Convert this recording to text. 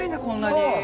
こんなに。